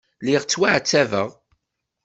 Lliɣ ttwaɛettabeɣ.